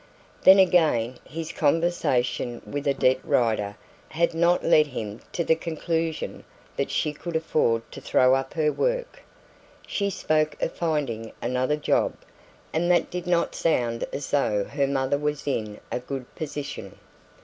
Then again, his conversation with Odette Rider had not led him to the conclusion that she could afford to throw up her work. She spoke of finding another job, and that did not sound as though her mother was in a good position.